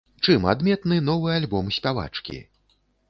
Чым адметны новы альбом спявачкі?